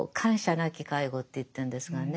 なき介護って言ってるんですがね。